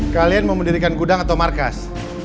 kalian mau mendirikan gudang atau markas